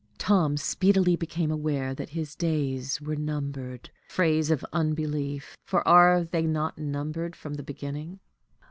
Tom speedily became aware that his days were numbered phrase of unbelief, for are they not numbered from the beginning?